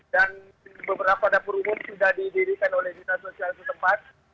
dan beberapa dapur umum sudah didirikan oleh pemerintah sosial setempat